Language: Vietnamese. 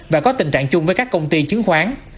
và có tình trạng chung với các công ty chứng khoán